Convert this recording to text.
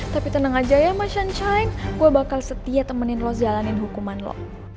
tapi tenang aja ya machan chine gue bakal setia temenin lo jalanin hukuman lo